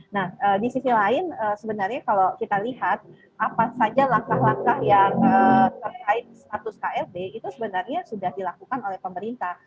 nah di sisi lain sebenarnya kalau kita lihat apa saja langkah langkah yang terkait status klb itu sebenarnya sudah dilakukan oleh pemerintah